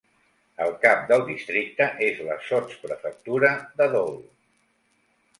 El cap del districte és la sotsprefectura de Dole.